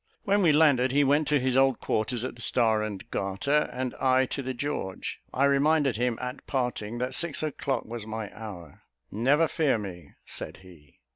When we landed, he went to his old quarters, at the Star and Garter, and I to the George. I reminded him, at parting, that six o'clock was my hour. "Never fear me," said he.